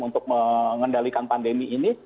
untuk mengendalikan pandemi ini